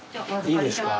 いいですか。